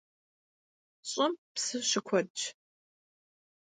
Ş'ım psı şıkuedş.